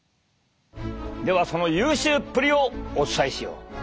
ではその優秀っぷりをお伝えしよう。